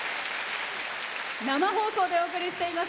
生放送でお送りしています